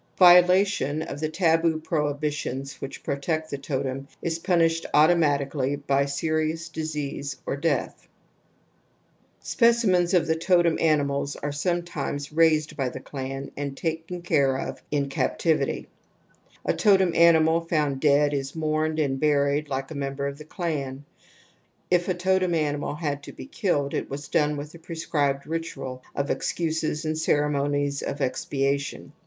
Violation of the taboo prohibitions which protect the totem is punished automatically by serious disease \ or death ®. Specimens of the totem animals are some times raised by^ the clan and taken care of in captivity^. A totem animal found dead is moumed and buried like a member of the clan. If a totem animal had to be killed it was done with a prescribed ritual of excuses and ceremon ies of expiation.